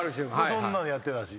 そんなんやってたし。